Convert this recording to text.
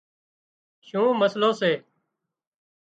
شُون مسئلو سي